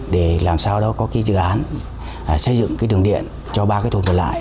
để làm sao đó có cái dự án xây dựng cái đường điện cho ba cái thôn còn lại